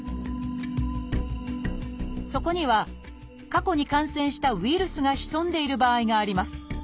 そこには過去に感染したウイルスが潜んでいる場合があります。